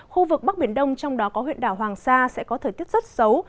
khu vực bắc biển đông trong đó có huyện đảo hoàng sa sẽ có thời tiết rất xấu